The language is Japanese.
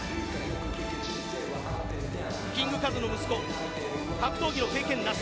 キングカズの息子格闘技の経験なし。